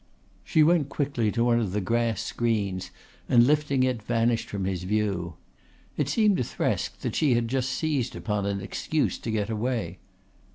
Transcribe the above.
She went quickly to one of the grass screens and lifting it vanished from his view. It seemed to Thresk that she had just seized upon an excuse to get away.